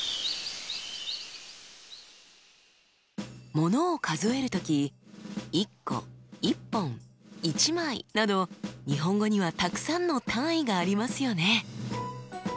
ものを数える時１個１本１枚など日本語にはたくさんの単位がありますよね。